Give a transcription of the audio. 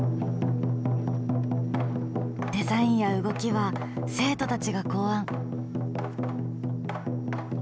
デザインや動きは生徒たちが考案。